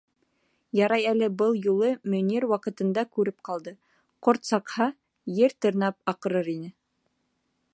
Ярай әле был юлы Мөнир ваҡытында күреп ҡалды, ҡорт саҡһа, ер тырнап аҡырыр ине.